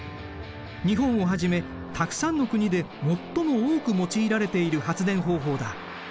日本をはじめたくさんの国で最も多く用いられている発電方法だ。